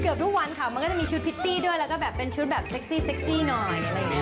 เกือบทุกวันค่ะมันก็จะมีชุดพิตตี้ด้วยแล้วก็แบบเป็นชุดแบบเซ็กซี่หน่อย